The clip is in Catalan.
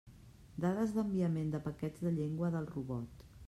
Dades d'enviament de paquets de llengua del robot.